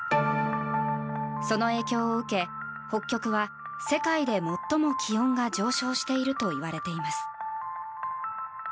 その影響を受け、北極は世界で最も気温が上昇しているといわれています。